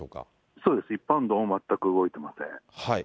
そうです、一般道も全く動いてません。